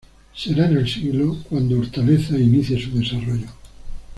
Será en el siglo cuanto Hortaleza, inicie su desarrollo.